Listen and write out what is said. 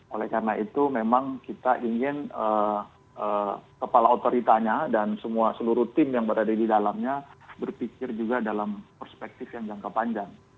oleh karena itu memang kita ingin kepala otoritanya dan semua seluruh tim yang berada di dalamnya berpikir juga dalam perspektif yang jangka panjang